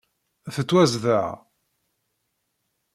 Tettwazdeɣ.